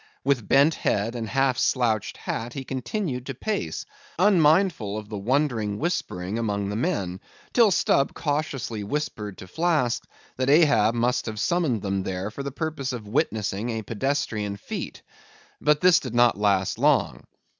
With bent head and half slouched hat he continued to pace, unmindful of the wondering whispering among the men; till Stubb cautiously whispered to Flask, that Ahab must have summoned them there for the purpose of witnessing a pedestrian feat. But this did not last long.